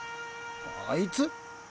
あいつ？